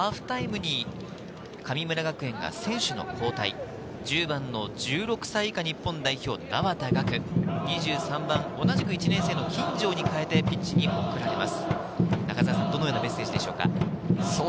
ハーフタイムに神村学園が選手の交代、１０番の１６歳以下日本代表・名和田我空、２３番、同じく１年生の金城に代えてピッチに送られます。